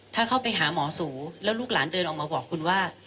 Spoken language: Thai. ถ้าเข้าไปหาหมอสูแล้วลูกหลานเดินออกมาบอกคุณว่า